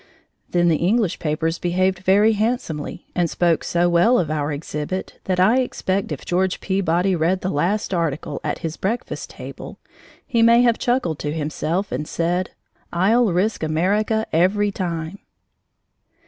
Then the English papers behaved very handsomely and spoke so well of our exhibit that I expect if George Peabody read the last article at his breakfast table, he may have chuckled to himself and said: "I'll risk America every time!"